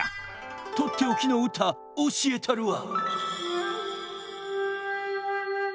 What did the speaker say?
とっておきのうたおしえたるわ！